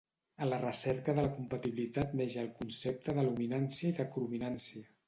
A la recerca de la compatibilitat neix el concepte de luminància i de crominància.